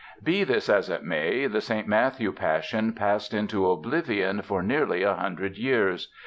Be this as it may, the St. Matthew Passion passed into oblivion for nearly a hundred years.